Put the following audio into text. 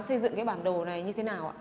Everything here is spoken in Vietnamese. xây dựng cái bản đồ này như thế nào ạ